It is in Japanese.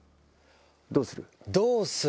どうする？